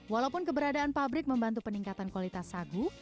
walaupun keberadaan pabrik membantu peningkatan kualitas sagu